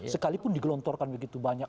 sekalipun digelontorkan begitu banyak